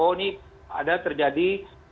oh ini ada terjadi